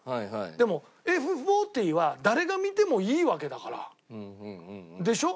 でもＦ４０は誰が見てもいいわけだから。でしょ？